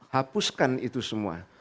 hapuskan itu semua